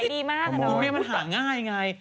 ขายดีมากเลยโหนพูดสังคุณพี่มี่มันหาง่ายอย่างไร